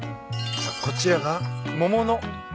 さっこちらが桃の。